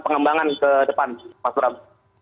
pengembangan ke depan mas bram